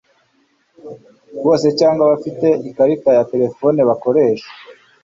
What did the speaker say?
bose cyangwa abafite ikarita ya terefoni bakoresha